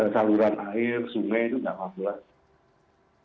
saluran air sungai itu tidak maklum